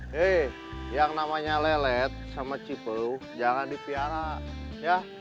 hei yang namanya lelet sama cipu jangan dipiara ya